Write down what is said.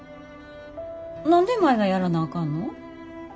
何で舞がやらなあかんの？